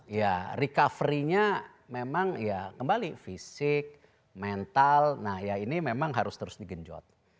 ya recovery nya memang ya kembali fisik mental nah ya ini memang harus terus digenjot